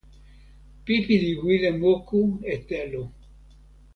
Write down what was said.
pipi li wile moku e telo.